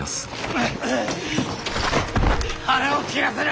腹を切らせろ！